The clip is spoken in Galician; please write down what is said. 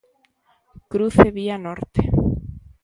Cruce Vía Norte.